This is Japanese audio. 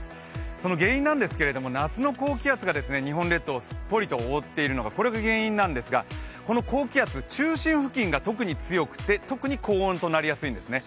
この原因なんですけど夏の高気圧が日本列島をすっぽりと覆っているのが原因なんですがこの高気圧、中心付近が特に強くて特に高温となりやすいんですね。